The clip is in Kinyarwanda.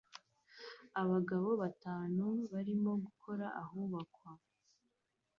Abagabo batanu barimo gukora ahubakwa